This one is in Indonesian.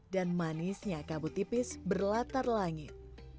dan manisnya kabut tipis berlatar langit